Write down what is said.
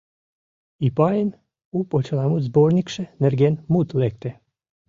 Ипайын у почеламут сборникше нерген мут лекте.